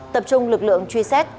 tập trung lực lượng truy xét